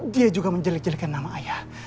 dia juga menjelek jelekkan nama ayah